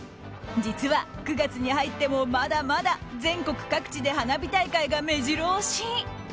実は９月に入ってもまだまだ全国各地で花火大会が目白押し。